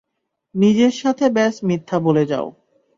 নিজের সাথে ব্যস মিথ্যা বলে যাও।